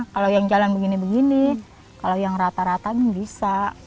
kalau yang jalan begini begini kalau yang rata rata bisa